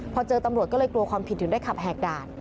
พอเจอตำรวจก็เลยกลัวความผิดถึงได้ขับแหกด่าน